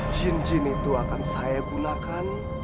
jin jin itu akan saya gunakan